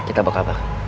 kita bakal bakal